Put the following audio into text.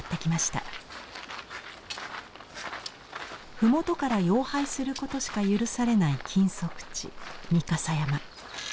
麓からよう拝することしか許されない禁足地御蓋山。